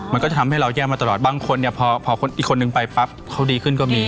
มันก็จะทำให้เราแย่มาตลอดบางคนเนี่ยพออีกคนนึงไปปั๊บเขาดีขึ้นก็มี